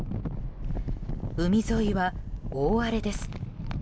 海沿いは大荒れです。